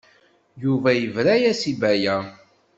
Yuba yebra-as i Baya.